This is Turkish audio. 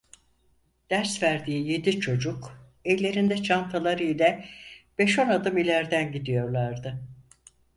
Ders verdiği yedi çocuk ellerinde çantaları ile beş on adım ilerden gidiyorlardı.